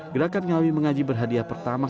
gerakan ngawi mengaji berhadiah per tamak